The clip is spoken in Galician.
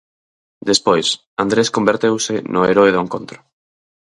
Despois, Andrés converteuse no heroe do encontro.